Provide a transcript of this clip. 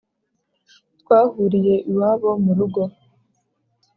twahuriye iwabo murugo